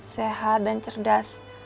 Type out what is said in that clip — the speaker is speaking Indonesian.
sehat dan cerdas